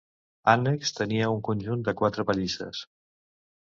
Annex, tenia un conjunt de quatre pallisses.